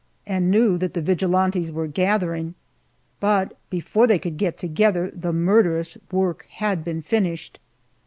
and knew that the vigilantes were gathering, but before they could get together the murderous work had been finished.